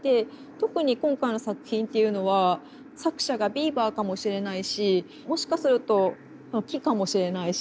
特に今回の作品っていうのは作者がビーバーかもしれないしもしかすると木かもしれないし。